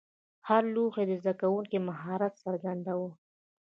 هره لوحه د زده کوونکي مهارت څرګنداوه.